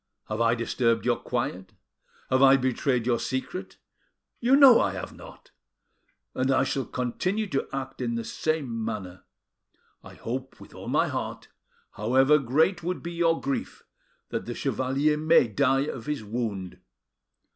Have I disturbed your quiet? Have I betrayed your secret? You know I have not. And I shall continue to act in the same manner. I hope with all my heart, however great would be your grief; that the chevalier may die of his wound.